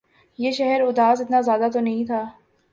یہ شہر اداس اتنا زیادہ تو نہیں تھا